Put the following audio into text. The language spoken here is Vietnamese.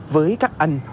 với các anh